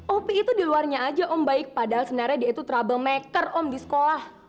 opi itu diluarnya aja om baik padahal sebenernya dia itu troublemaker om di sekolah